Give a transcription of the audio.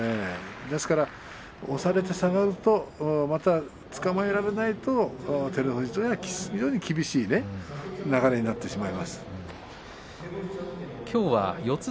ですから押されて下がるとまたつかまえられないと照ノ富士は厳しい流れにきょうは四つ